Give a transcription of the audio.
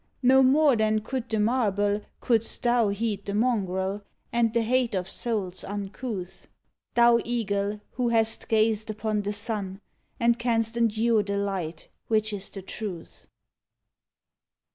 No more than could the marble couldst thou heed The mongrel, and the hate of souls uncouth — Thou eagle who hast gazed upon the sun And canst endure the light which is the truth!